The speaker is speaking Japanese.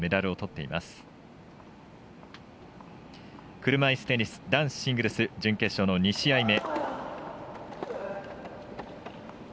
車いすテニス男子シングルス準決勝の２試合目。